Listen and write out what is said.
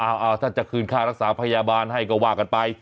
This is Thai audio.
เอาถ้าจะคืนค่ารักษาพยาบาลให้ก็ว่ากันไป